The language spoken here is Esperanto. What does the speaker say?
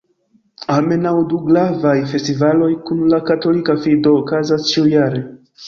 Almenaŭ du gravaj festivaloj kun la katolika fido okazas ĉiujare.